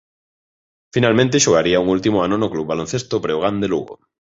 Finalmente xogaría un último ano no Club Baloncesto Breogán de Lugo.